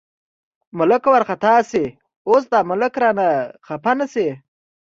ملک وارخطا شي، اوس دا ملک رانه خپه نه شي.